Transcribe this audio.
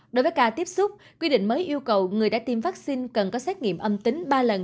đối với ca tiếp xúc quy định mới yêu cầu người đã tiêm vaccine cần có xét nghiệm âm tính ba lần